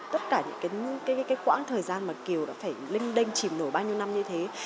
tất cả những cái quãng thời gian mà kiều đã phải linh đênh chìm nổ bao nhiêu năm như thế